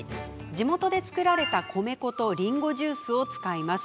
地元で作られた米粉とりんごジュースを使います。